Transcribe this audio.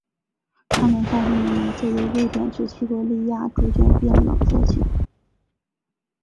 它们上身的颜色由瑞典至西伯利亚逐渐变冷色系。